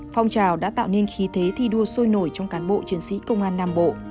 phong trào đã tạo nên khí thế thi đua sôi nổi trong cán bộ chiến sĩ công an nam bộ